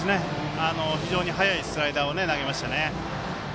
非常に速いスライダーを投げましたね。